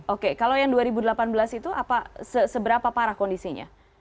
oke kalau yang dua ribu delapan belas itu seberapa parah kondisinya